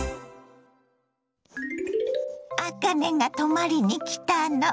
あかねが泊まりに来たの。